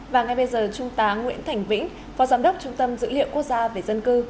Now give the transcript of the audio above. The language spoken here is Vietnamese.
và ngay bây giờ trung tá nguyễn thành vĩnh phó giám đốc trung tâm dữ liệu quốc gia về dân cư